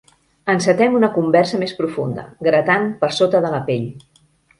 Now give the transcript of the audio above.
Encetem una conversa més profunda, gratant per sota de la pell.